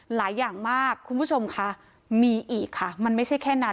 หลายอย่างมากคุณผู้ชมค่ะมีอีกค่ะมันไม่ใช่แค่นั้น